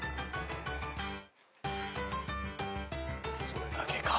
それだけか。